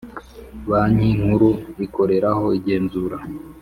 Banki Nkuru ikoreraho igenzura